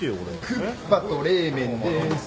クッパと冷麺です。